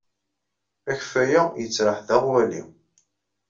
Akeffay-a yettraḥ d aɣwali.